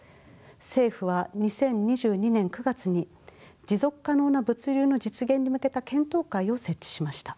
政府は２０２２年９月に「持続可能な物流の実現に向けた検討会」を設置しました。